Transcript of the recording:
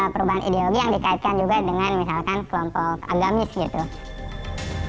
perubahan ideologi yang dikaitkan juga dengan misalkan kelompok agamis gitu